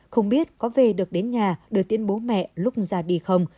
không biết có về được đến nhà đưa tiến bố mẹ lúc ra đi không